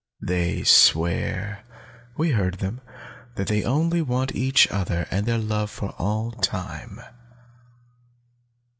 They swear we heard them that they want only each other and their love for all time."